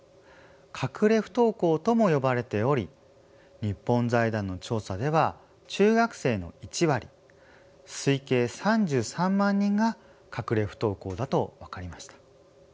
「隠れ不登校」とも呼ばれており日本財団の調査では中学生の１割推計３３万人が隠れ不登校だと分かりました。